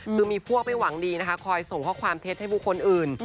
คือมีพวกไม่หวังดีนะคะคอยส่งข้อความเท็จให้บุคคลอื่น